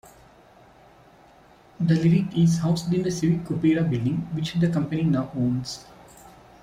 The Lyric is housed in the Civic Opera Building, which the company now owns.